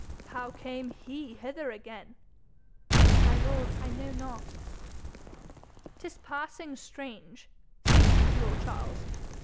'How came HE hither again?' 'My lord, I know not.' ''Tis passing strange. See to it, lord Charles.